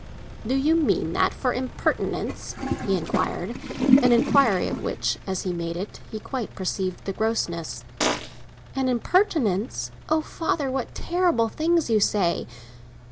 "Do you mean that for an impertinence?" he inquired; an inquiry of which, as he made it, he quite perceived the grossness. "An impertinence? Oh, father, what terrible things you say!"